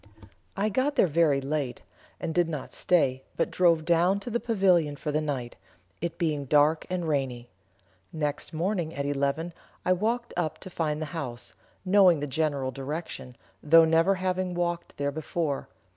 I got there very late, and did not stay but drove down to the Pavilion for the night, it being dark and rainy. Next morning at eleven I walked up to find the house, knowing the general direction, though never having walked there before.